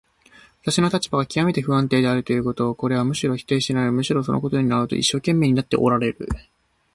私の立場がきわめて不安定であるということ、これはあなたも否定なさらないし、むしろそのことを証明しようと一生懸命になっておられる。